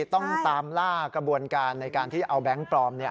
ต้องตามล่ากระบวนการในการที่เอาแบงค์ปลอม